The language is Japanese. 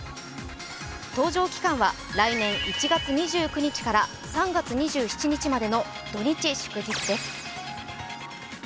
搭乗期間は来年１月２９日から３月２７日までの土日祝日です。